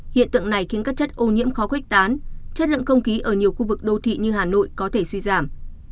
hiện tượng này khiến các chất ô nhiễm khó khuếch tán chất lượng không khí ở nhiều khu vực đô thị như hà nội có thể suy giảm